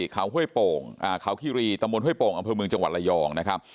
เขาห้วยโป่งเขาคีรีตำบลห้วยโป่งอำเภอเมืองจังหวัดระยองนะครับ